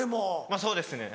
まぁそうですね。